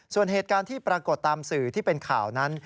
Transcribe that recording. ส่วนเหตุการณ์ที่ปรากฏตามสื่อที่เป็นข่าวนั้น